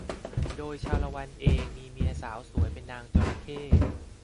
โดยชาละวันเองมีเมียสาวสวยเป็นนางจระเข้